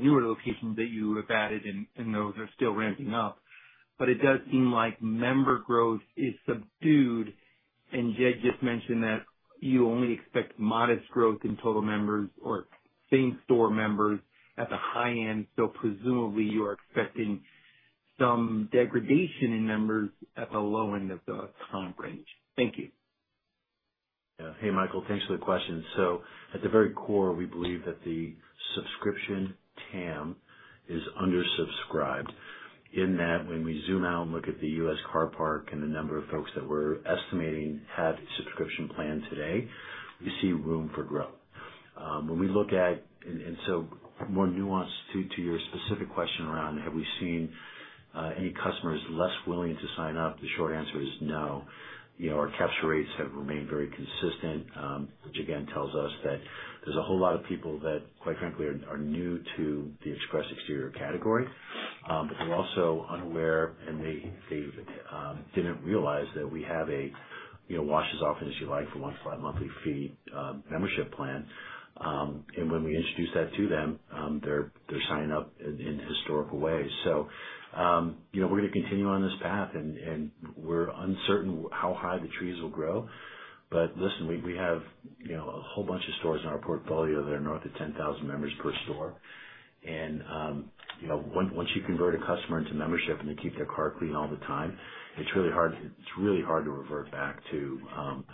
newer locations that you have added, and those are still ramping up. But it does s`eem like member growth is subdued. And Jed just mentioned that you only expect modest growth in total members or same-store members at the high end. So presumably, you are expecting some degradation in members at the low end of the comp range. Thank you. Yeah. Hey, Michael. Thanks for the question. So at the very core, we believe that the subscription TAM is undersubscribed in that when we zoom out and look at the U.S. car park and the number of folks that we're estimating have subscription plans today, we see room for growth. When we look at, and so more nuanced to your specific question around, have we seen any customers less willing to sign up? The short answer is no. Our capture rates have remained very consistent, which again tells us that there's a whole lot of people that, quite frankly, are new to the Express Exterior category. But they're also unaware, and they didn't realize that we have a wash as often as you like for one flat monthly fee membership plan. And when we introduce that to them, they're signing up in historical ways. So we're going to continue on this path, and we're uncertain how high the trees will grow. But listen, we have a whole bunch of stores in our portfolio that are north of 10,000 members per store. And once you convert a customer into membership and they keep their car clean all the time, it's really hard to revert back to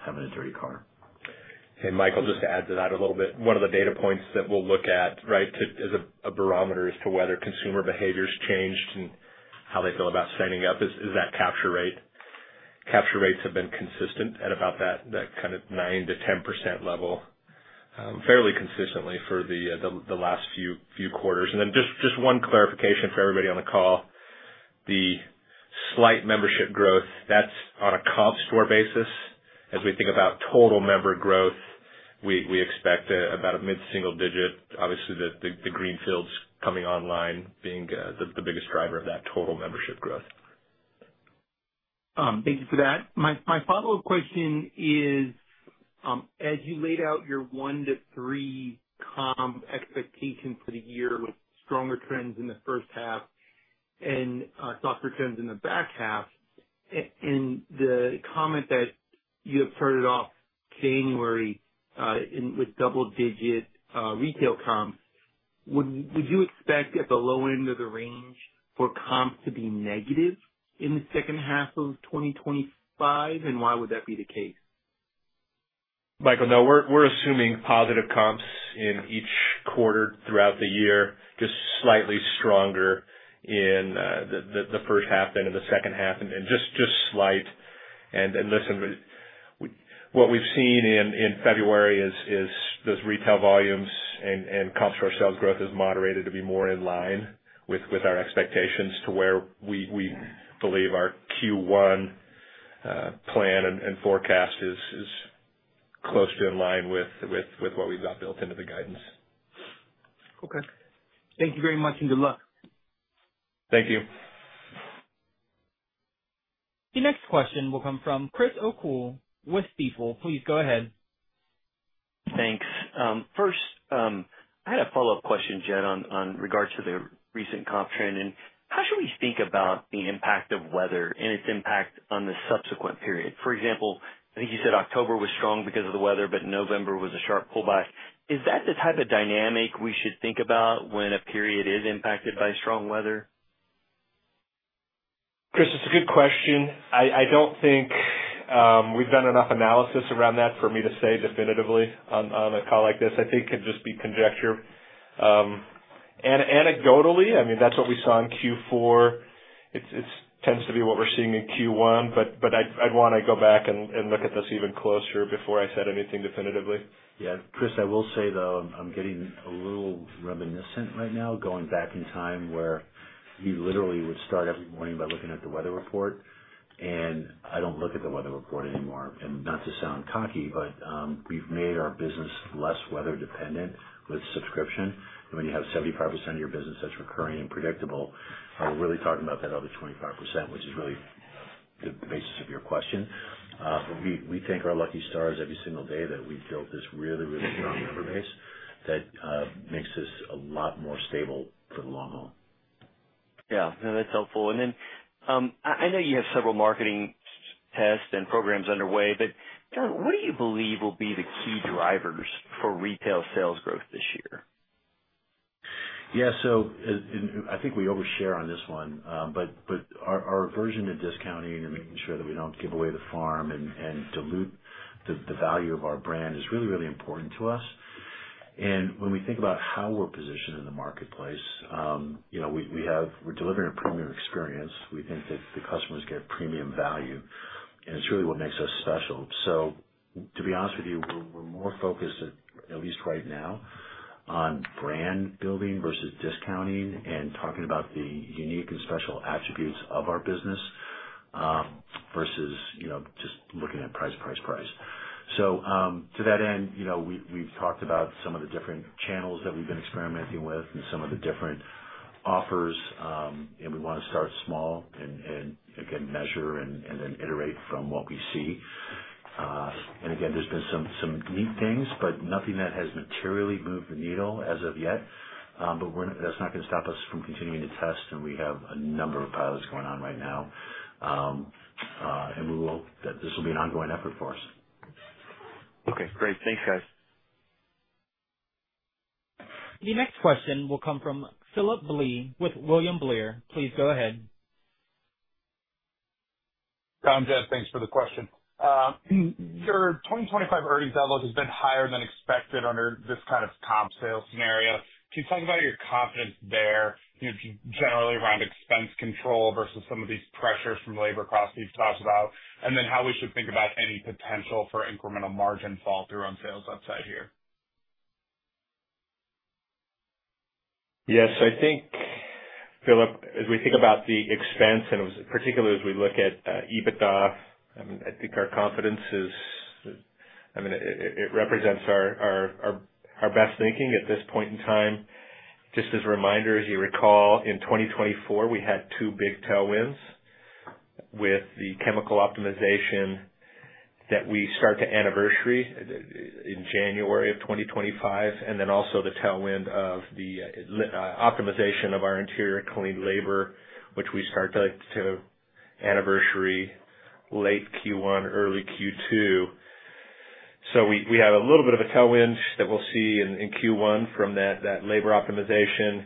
having a dirty car. Hey, Michael, just to add to that a little bit, one of the data points that we'll look at, right, as a barometer as to whether consumer behavior's changed and how they feel about signing up is that capture rate. Capture rates have been consistent at about that kind of 9%-10% level, fairly consistently for the last few quarters. And then just one clarification for everybody on the call. The slight membership growth, that's on a comp store basis. As we think about total member growth, we expect about a mid-single digit. Obviously, the greenfields coming online being the biggest driver of that total membership growth. Thank you for that. My follow-up question is, as you laid out your one to three comp expectations for the year with stronger trends in the first half and softer trends in the back half, and the comment that you have started off January with double-digit retail comps, would you expect at the low end of the range for comps to be negative in the second half of 2025? And why would that be the case? Michael, no. We're assuming positive comps in each quarter throughout the year, just slightly stronger in the first half than in the second half, and just slight, and listen, what we've seen in February is those retail volumes and comp store sales growth is moderated to be more in line with our expectations to where we believe our Q1 plan and forecast is close to in line with what we've got built into the guidance. Okay. Thank you very much and good luck. Thank you. The next question will come from Chris O'Cull with Stifel. Please go ahead. Thanks. First, I had a follow-up question, Jed, with regard to the recent comp trend. And how should we think about the impact of weather and its impact on the subsequent period? For example, I think you said October was strong because of the weather, but November was a sharp pullback. Is that the type of dynamic we should think about when a period is impacted by strong weather? Chris, it's a good question. I don't think we've done enough analysis around that for me to say definitively on a call like this. I think it could just be conjecture. Anecdotally, I mean, that's what we saw in Q4. It tends to be what we're seeing in Q1. But I'd want to go back and look at this even closer before I said anything definitively. Yeah. Chris, I will say, though, I'm getting a little reminiscent right now, going back in time where we literally would start every morning by looking at the weather report, and I don't look at the weather report anymore, and not to sound cocky, but we've made our business less weather-dependent with subscription, and when you have 75% of your business that's recurring and predictable, we're really talking about that other 25%, which is really the basis of your question, but we thank our lucky stars every single day that we've built this really, really strong member base that makes this a lot more stable for the long haul. Yeah. No, that's helpful. And then I know you have several marketing tests and programs underway. But John, what do you believe will be the key drivers for retail sales growth this year? Yeah. So I think we overshare on this one. But our version of discounting and making sure that we don't give away the farm and dilute the value of our brand is really, really important to us. And when we think about how we're positioned in the marketplace, we're delivering a premium experience. We think that the customers get premium value. And it's really what makes us special. So to be honest with you, we're more focused, at least right now, on brand building versus discounting and talking about the unique and special attributes of our business versus just looking at price, price, price. So to that end, we've talked about some of the different channels that we've been experimenting with and some of the different offers. And we want to start small and, again, measure and then iterate from what we see. And again, there's been some neat things, but nothing that has materially moved the needle as of yet. But that's not going to stop us from continuing to test. And we have a number of pilots going on right now. And this will be an ongoing effort for us. Okay. Great. Thanks, guys. The next question will come from Philip Blee with William Blair. Please go ahead. John, Jed, thanks for the question. Your 2025 earnings outlook has been higher than expected under this kind of comp sales scenario. Can you talk about your confidence there generally around expense control versus some of these pressures from labor costs we've talked about? And then how we should think about any potential for incremental margin fall through on sales upside here? Yes. I think, Philip, as we think about the expense, and particularly as we look at EBITDA, I mean, I think our confidence is, I mean, it represents our best thinking at this point in time. Just as a reminder, as you recall, in 2024, we had two big tailwinds with the chemical optimization that we start to anniversary in January of 2025, and then also the tailwind of the optimization of our interior clean labor, which we start to anniversary late Q1, early Q2. So we have a little bit of a tailwind that we'll see in Q1 from that labor optimization.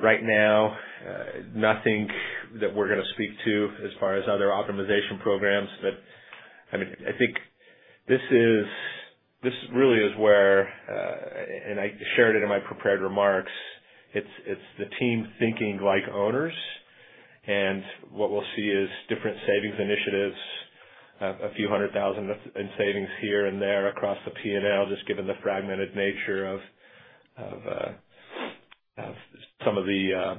Right now, nothing that we're going to speak to as far as other optimization programs. But I mean, I think this really is where, and I shared it in my prepared remarks, it's the team thinking like owners. And what we'll see is different savings initiatives, a few hundred thousand in savings here and there across the P&L, just given the fragmented nature of some of the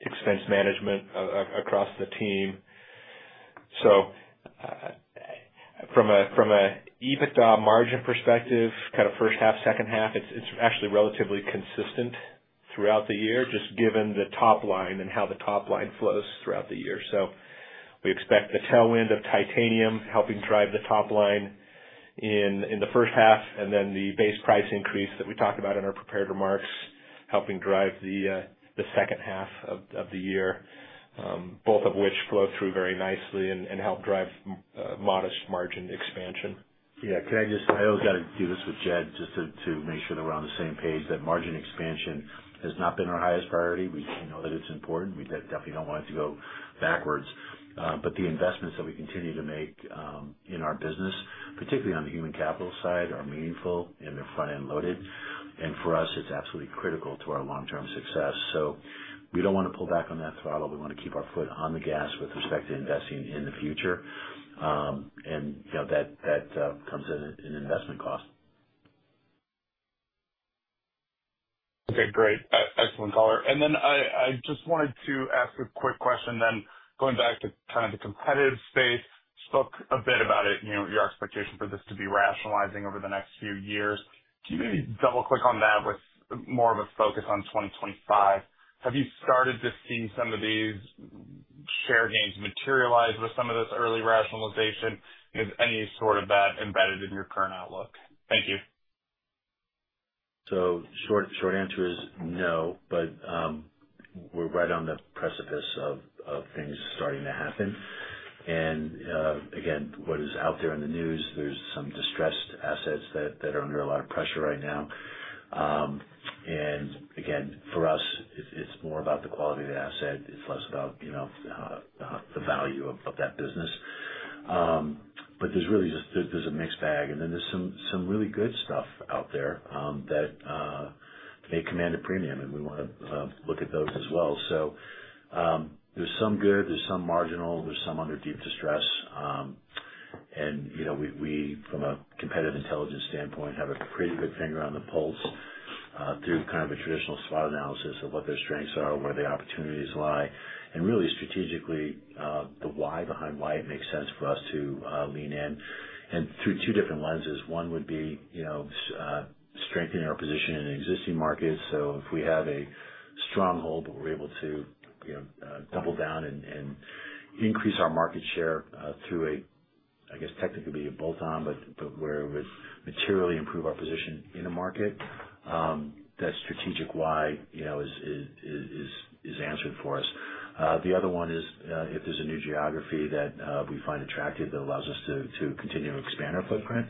expense management across the team. So from an EBITDA margin perspective, kind of first half, second half, it's actually relatively consistent throughout the year, just given the top line and how the top line flows throughout the year. So we expect the tailwind of Titanium helping drive the top line in the first half, and then the Base price increase that we talked about in our prepared remarks helping drive the second half of the year, both of which flow through very nicely and help drive modest margin expansion. Yeah. Can I just, I always got to do this with Jed just to make sure that we're on the same page, that margin expansion has not been our highest priority. We know that it's important. We definitely don't want it to go backwards. But the investments that we continue to make in our business, particularly on the human capital side, are meaningful and they're front-end loaded. And for us, it's absolutely critical to our long-term success. So we don't want to pull back on that throttle. We want to keep our foot on the gas with respect to investing in the future. And that comes at an investment cost. Okay. Great. Excellent caller. And then I just wanted to ask a quick question then. Going back to kind of the competitive space, spoke a bit about it, your expectation for this to be rationalizing over the next few years. Can you maybe double-click on that with more of a focus on 2025? Have you started to see some of these share gains materialize with some of this early rationalization? Is any sort of that embedded in your current outlook? Thank you. So short answer is no. But we're right on the precipice of things starting to happen. And again, what is out there in the news, there's some distressed assets that are under a lot of pressure right now. And again, for us, it's more about the quality of the asset. It's less about the value of that business. But there's really just a mixed bag. And then there's some really good stuff out there that may command a premium. And we want to look at those as well. So there's some good. There's some marginal. There's some under deep distress. And we, from a competitive intelligence standpoint, have a pretty good finger on the pulse through kind of a traditional SWOT analysis of what their strengths are, where the opportunities lie, and really strategically the why behind why it makes sense for us to lean in and through two different lenses. One would be strengthening our position in existing markets. So if we have a stronghold, but we're able to double down and increase our market share through a, I guess, technically be a bolt-on, but where it would materially improve our position in a market, that strategic why is answered for us. The other one is if there's a new geography that we find attractive that allows us to continue to expand our footprint,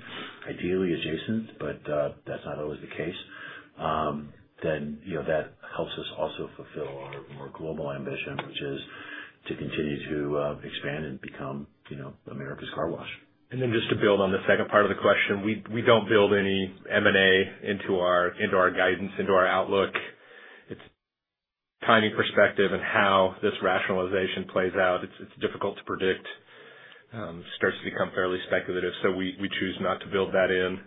ideally adjacent, but that's not always the case, then that helps us also fulfill our more global ambition, which is to continue to expand and become America's car wash. And then just to build on the second part of the question, we don't build any M&A into our guidance, into our outlook. It's from a timing perspective and how this rationalization plays out. It's difficult to predict. It starts to become fairly speculative. So we choose not to build that in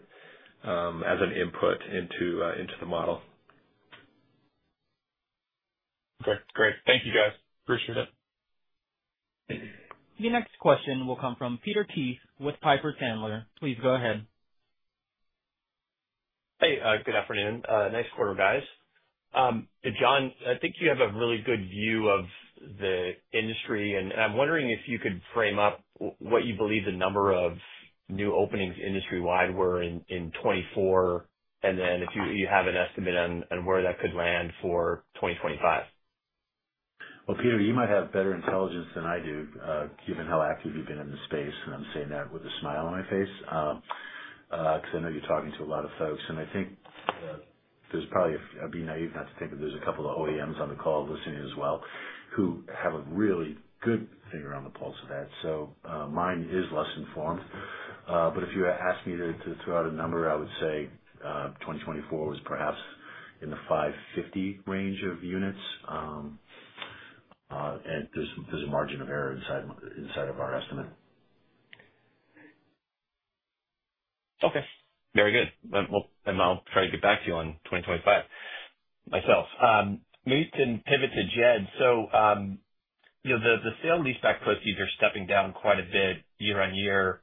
as an input into the model. Okay. Great. Thank you, guys. Appreciate it. The next question will come from Peter Keith with Piper Sandler. Please go ahead. Hey. Good afternoon. Nice quarter, guys. John, I think you have a really good view of the industry, and I'm wondering if you could frame up what you believe the number of new openings industry-wide were in 2024, and then if you have an estimate on where that could land for 2025. Peter, you might have better intelligence than I do, given how active you've been in the space. I'm saying that with a smile on my face because I know you're talking to a lot of folks. I think there's probably. I'd be naive not to think that there's a couple of OEMs on the call listening as well who have a really good finger on the pulse of that. Mine is less informed. If you ask me to throw out a number, I would say 2024 was perhaps in the 550 range of units. There's a margin of error inside of our estimate. Okay. Very good. And I'll try to get back to you on 2025 myself. Maybe we can pivot to Jed. So the sale-leaseback proceeds are stepping down quite a bit year on year.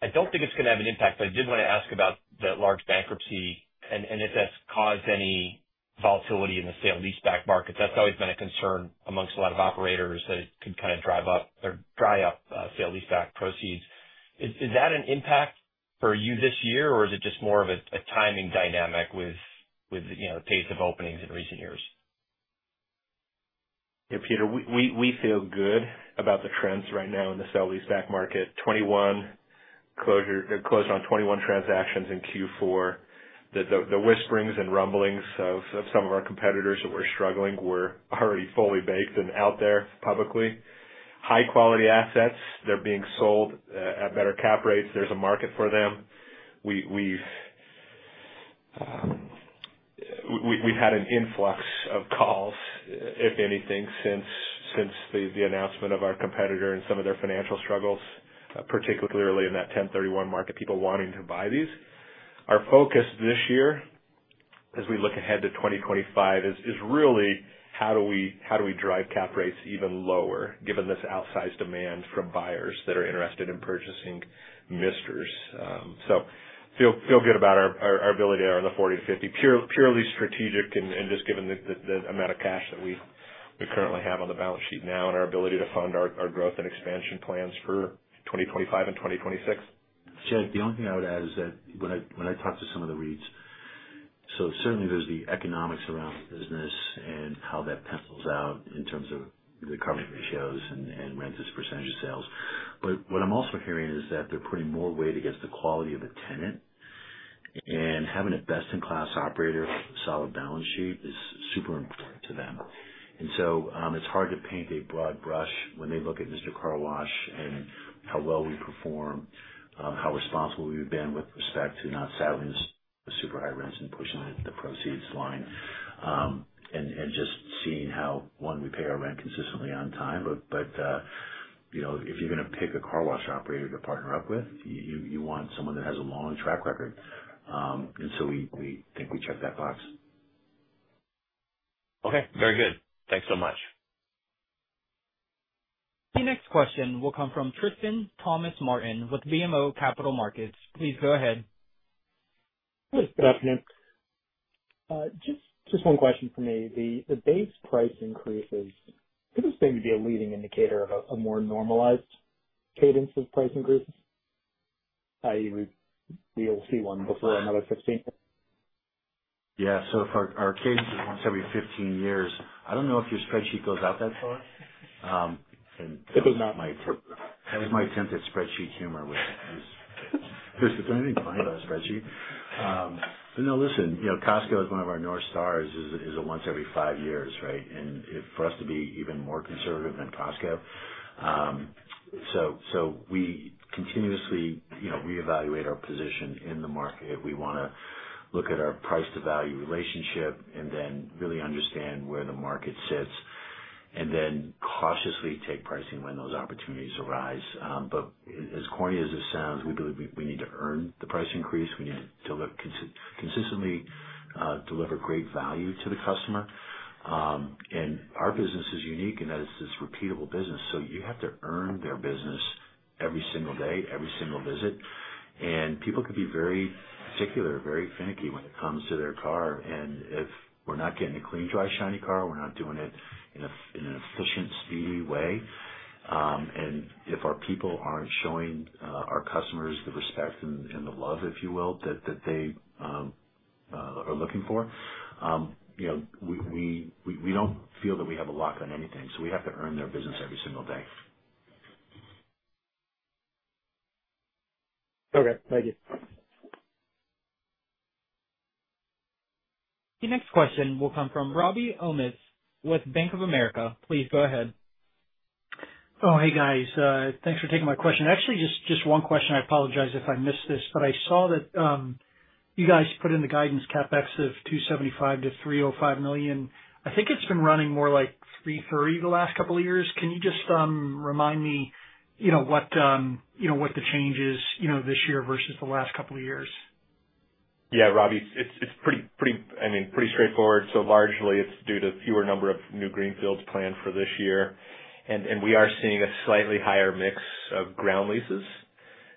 I don't think it's going to have an impact, but I did want to ask about that large bankruptcy and if that's caused any volatility in the sale-leaseback market. That's always been a concern amongst a lot of operators that it could kind of drive up or dry up sale-leaseback proceeds. Is that an impact for you this year, or is it just more of a timing dynamic with the pace of openings in recent years? Yeah, Peter, we feel good about the trends right now in the sale-leaseback market. They've closed on 21 transactions in Q4. The whisperings and rumblings of some of our competitors that were struggling were already fully baked and out there publicly. High-quality assets, they're being sold at better cap rates. There's a market for them. We've had an influx of calls, if anything, since the announcement of our competitor and some of their financial struggles, particularly early in that 1031 market, people wanting to buy these. Our focus this year, as we look ahead to 2025, is really how do we drive cap rates even lower, given this outsized demand from buyers that are interested in purchasing Mister's. Feel good about our ability to earn the 40-50, purely strategic and just given the amount of cash that we currently have on the balance sheet now and our ability to fund our growth and expansion plans for 2025 and 2026. Jed, the only thing I would add is that when I talk to some of the REITs, so certainly there's the economics around the business and how that pencils out in terms of the cap rates and rent as a percentage of sales, but what I'm also hearing is that they're putting more weight on the quality of a tenant, and having a best-in-class operator, solid balance sheet is super important to them, and so it's hard to paint a broad brush when they look at Mister Car Wash and how well we perform, how responsible we've been with respect to not saddling super high rents and pushing the proceeds line and just seeing how, one, we pay our rent consistently on time, but if you're going to pick a car wash operator to partner up with, you want someone that has a long track record. We think we check that box. Okay. Very good. Thanks so much. The next question will come from Tristan Thomas-Martin with BMO Capital Markets. Please go ahead. Good afternoon. Just one question for me. The base price increases, could this thing be a leading indicator of a more normalized cadence of price increases? We will see one before another 15. Yeah, so if our cadence is once every 15 years, I don't know if your spreadsheet goes out that far. It does not. That was my attempt at spreadsheet humor, which is. There's nothing fine about a spreadsheet. But no, listen. Costco is one of our North Stars, is a once every five years, right, and for us to be even more conservative than Costco, so we continuously reevaluate our position in the market. We want to look at our price-to-value relationship and then really understand where the market sits and then cautiously take pricing when those opportunities arise, but as corny as this sounds, we believe we need to earn the price increase. We need to consistently deliver great value to the customer, and our business is unique in that it's this repeatable business. So you have to earn their business every single day, every single visit, and people could be very particular, very finicky when it comes to their car. If we're not getting a clean, dry, shiny car, we're not doing it in an efficient, speedy way. If our people aren't showing our customers the respect and the love, if you will, that they are looking for, we don't feel that we have a lock on anything. We have to earn their business every single day. Okay. Thank you. The next question will come from Robbie Ohmes with Bank of America. Please go ahead. Oh, hey, guys. Thanks for taking my question. Actually, just one question. I apologize if I missed this, but I saw that you guys put in the guidance CapEx of $275 million-$305 million. I think it's been running more like $330 million the last couple of years. Can you just remind me what the change is this year versus the last couple of years? Yeah, Robbie, it's pretty straightforward. So largely, it's due to a fewer number of new greenfields planned for this year. And we are seeing a slightly higher mix of ground leases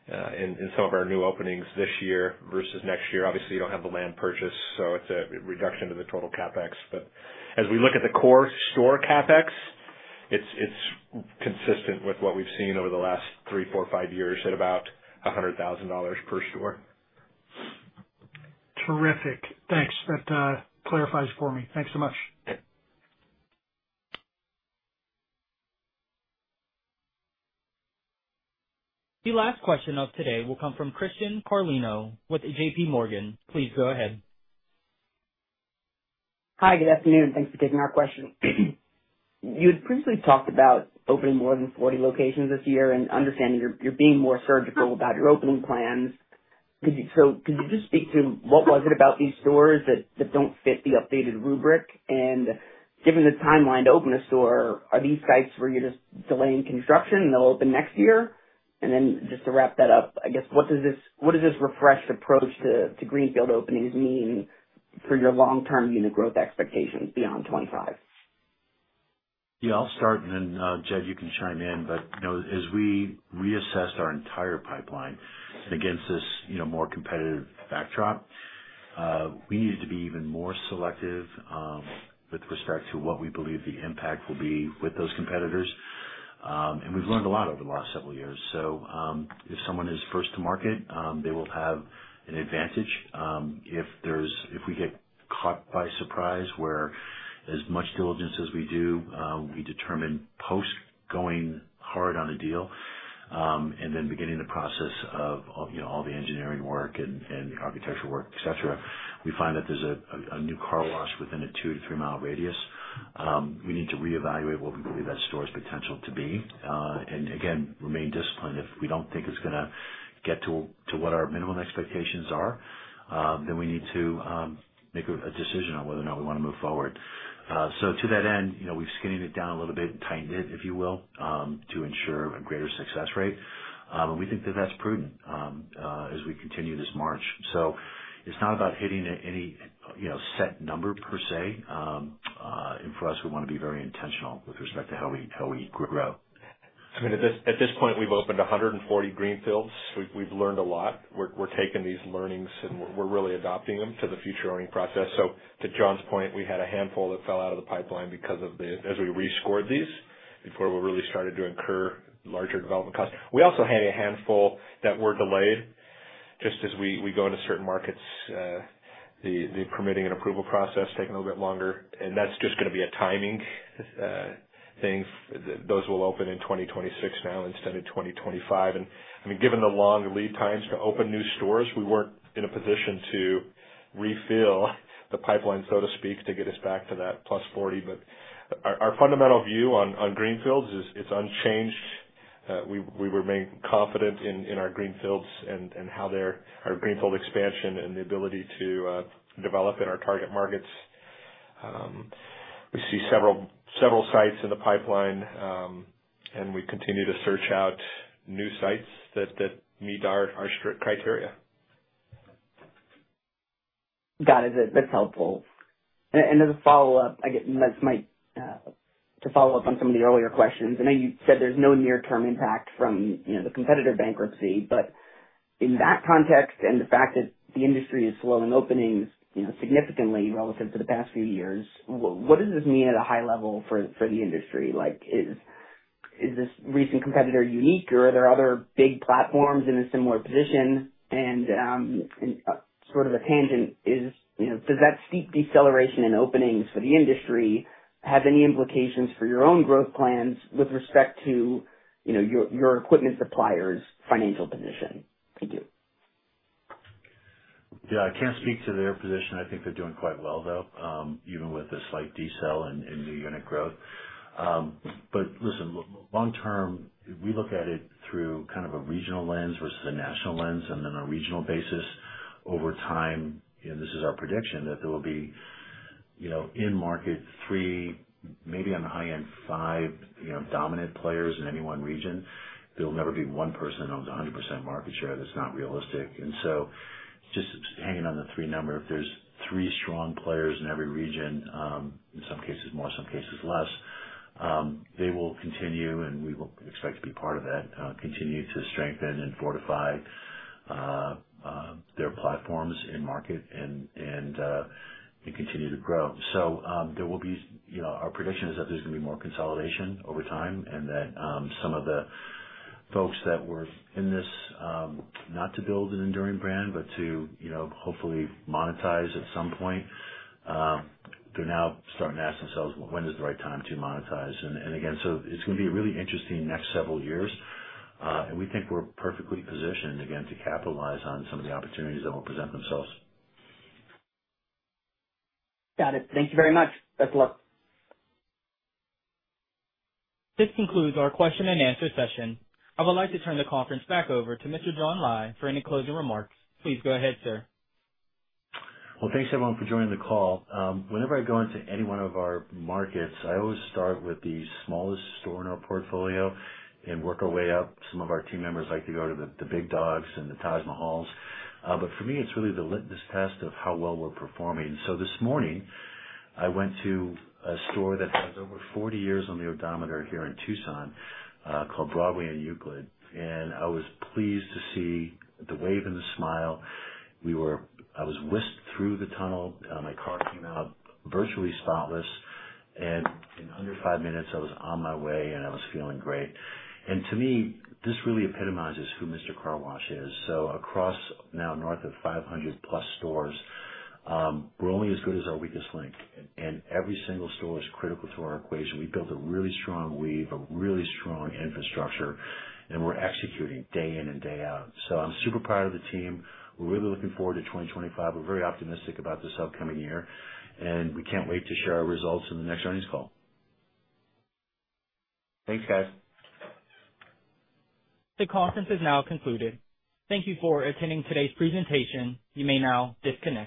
in some of our new openings this year versus next year. Obviously, you don't have the land purchase, so it's a reduction to the total CapEx. But as we look at the core store CapEx, it's consistent with what we've seen over the last three, four, five years at about $100,000 per store. Terrific. Thanks. That clarifies it for me. Thanks so much. The last question of today will come from Christian Carlino with J.P. Morgan. Please go ahead. Hi. Good afternoon. Thanks for taking our question. You had previously talked about opening more than 40 locations this year and understanding you're being more surgical about your opening plans. So could you just speak to what was it about these stores that don't fit the updated rubric? And given the timeline to open a store, are these sites where you're just delaying construction and they'll open next year? And then just to wrap that up, I guess, what does this refreshed approach to greenfield openings mean for your long-term unit growth expectations beyond 2025? Yeah. I'll start, and then, Jed, you can chime in, but as we reassessed our entire pipeline against this more competitive backdrop, we needed to be even more selective with respect to what we believe the impact will be with those competitors, and we've learned a lot over the last several years, so if someone is first to market, they will have an advantage. If we get caught by surprise where as much diligence as we do, we determine post-going hard on a deal and then beginning the process of all the engineering work and architectural work, etc., we find that there's a new car wash within a two- to three-mile radius, we need to reevaluate what we believe that store's potential to be, and again, remain disciplined. If we don't think it's going to get to what our minimum expectations are, then we need to make a decision on whether or not we want to move forward. So to that end, we've skinnied it down a little bit and tightened it, if you will, to ensure a greater success rate. And we think that that's prudent as we continue this march. So it's not about hitting any set number per se. And for us, we want to be very intentional with respect to how we grow. I mean, at this point, we've opened 140 greenfields. We've learned a lot. We're taking these learnings, and we're really adopting them to the future opening process. So to John's point, we had a handful that fell out of the pipeline because of the, as we rescored these before we really started to incur larger development costs. We also had a handful that were delayed just as we go into certain markets. The permitting and approval process takes a little bit longer. And that's just going to be a timing thing. Those will open in 2026 now instead of 2025. And I mean, given the long lead times to open new stores, we weren't in a position to refill the pipeline, so to speak, to get us back to that plus 40. But our fundamental view on greenfields, it's unchanged. We remain confident in our greenfields and how our greenfield expansion and the ability to develop in our target markets. We see several sites in the pipeline, and we continue to search out new sites that meet our strict criteria. Got it. That's helpful. And as a follow-up, I guess to follow up on some of the earlier questions, I know you said there's no near-term impact from the competitor bankruptcy, but in that context and the fact that the industry is slowing openings significantly relative to the past few years, what does this mean at a high level for the industry? Is this recent competitor unique, or are there other big platforms in a similar position? And sort of a tangent, does that steep deceleration in openings for the industry have any implications for your own growth plans with respect to your equipment supplier's financial position? Thank you. Yeah. I can't speak to their position. I think they're doing quite well, though, even with a slight decel in new unit growth. But listen, long-term, we look at it through kind of a regional lens versus a national lens and then a regional basis. Over time, and this is our prediction, that there will be in market three, maybe on the high end, five dominant players in any one region. There will never be one person that owns 100% market share. That's not realistic. And so just hanging on the three number, if there's three strong players in every region, in some cases more, some cases less, they will continue, and we will expect to be part of that, continue to strengthen and fortify their platforms in market and continue to grow. So, our prediction is that there's going to be more consolidation over time and that some of the folks that were in this not to build an enduring brand, but to hopefully monetize at some point, they're now starting to ask themselves, "When is the right time to monetize?" And again, so it's going to be a really interesting next several years. And we think we're perfectly positioned, again, to capitalize on some of the opportunities that will present themselves. Got it. Thank you very much. Best of luck. This concludes our question and answer session. I would like to turn the conference back over to Mr. John Lai for any closing remarks. Please go ahead, sir. Thanks everyone for joining the call. Whenever I go into any one of our markets, I always start with the smallest store in our portfolio and work our way up. Some of our team members like to go to the big dogs and the Taj Mahals. But for me, it's really the litmus test of how well we're performing. This morning, I went to a store that has over 40 years on the odometer here in Tucson called Broadway and Euclid. I was pleased to see the wave and the smile. I was whisked through the tunnel. My car came out virtually spotless. In under five minutes, I was on my way, and I was feeling great. To me, this really epitomizes who Mister Car Wash is. Across now north of 500-plus stores, we're only as good as our weakest link. And every single store is critical to our equation. We built a really strong REIT, a really strong infrastructure, and we're executing day in and day out. So I'm super proud of the team. We're really looking forward to 2025. We're very optimistic about this upcoming year. And we can't wait to share our results in the next earnings call. Thanks, guys. The conference is now concluded. Thank you for attending today's presentation. You may now disconnect.